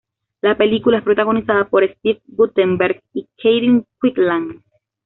La película es protagonizada por Steve Guttenberg y Kathleen Quinlan.